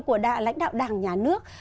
của lãnh đạo đảng nhà nước